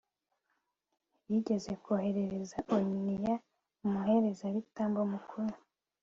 yigeze koherereza oniya, umuherezabitambo mukuru